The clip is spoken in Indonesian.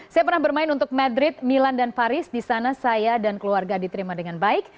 saya pernah bermain untuk madrid milan dan paris di sana saya dan keluarga diterima dengan baik